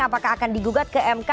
apakah akan digugat ke mk